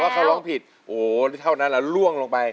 เขาร้องผิดโอ้โหเท่านั้นแหละล่วงลงไป